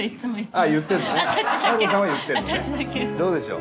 どうでしょう？